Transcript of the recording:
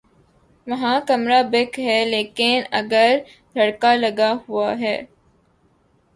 وہاں کمرہ بک ہے لیکن اگر دھڑکا لگا ہوا ہے۔